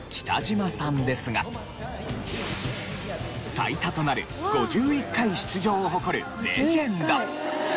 最多となる５１回出場を誇るレジェンド。